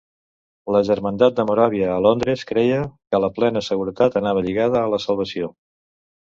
La Germandat de Moràvia, a Londres, creia que la plena seguretat anava lligada a la salvació.